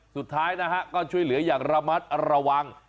สุดท้ายนะฮะก็ช่วยเหลืออย่างระมัดระวัง